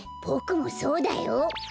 ボクもそうだよ。